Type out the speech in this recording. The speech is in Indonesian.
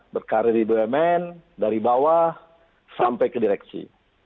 berkarir di bumn dari bawah sampai ke direksi